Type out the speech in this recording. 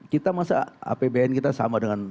kita masa apbn kita sama dengan